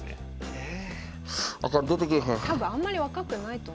え？え？